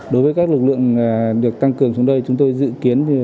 đối với các lực lượng được tăng cường xuống đây chúng tôi dự kiến